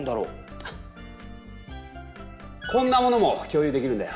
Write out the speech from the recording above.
こんなものも共有できるんだよ。